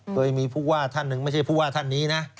โดยมีผู้ว่าท่านหนึ่งไม่ใช่ผู้ว่าท่านนี้นะ